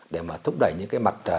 để mà thúc đẩy những mặt